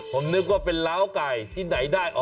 ผมนึกว่าเป็นล้าวไก่ที่ไหนได้